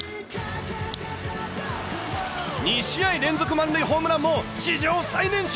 ２試合連続満塁ホームランも史上最年少。